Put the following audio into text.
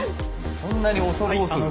そんなに恐る恐る。